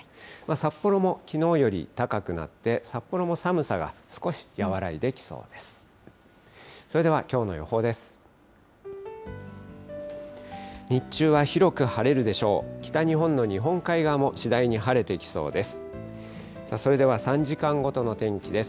札幌もきのうより高くなって、札幌も寒さが少し和らいできそうです。